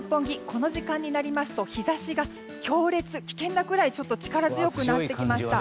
この時間になりますと日差しが強烈危険なくらい力強くなってきました。